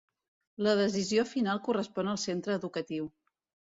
La decisió final correspon al centre educatiu.